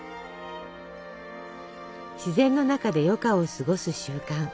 自然の中で余暇を過ごす習慣。